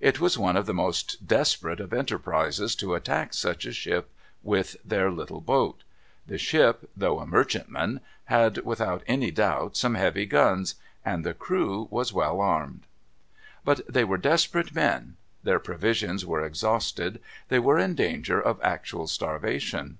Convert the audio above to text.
It was one of the most desperate of enterprises to attack such a ship with their little boat. The ship, though a merchantman, had, without any doubt, some heavy guns, and the crew was well armed. But they were desperate men; their provisions were exhausted; they were in danger of actual starvation.